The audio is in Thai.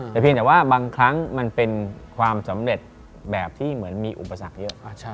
แต่เพียงแต่ว่าบางครั้งมันเป็นความสำเร็จแบบที่เหมือนมีอุปสรรคเยอะ